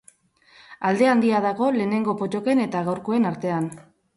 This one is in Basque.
Alde handia dago lehenengo pottoken eta gaurkoen artean.